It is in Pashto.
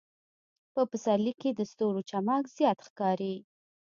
په پسرلي کې د ستورو چمک زیات ښکاري.